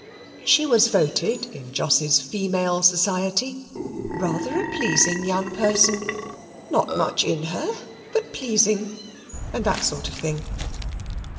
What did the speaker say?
She was voted, in Jos's female society, rather a pleasing young person not much in her, but pleasing, and that sort of thing.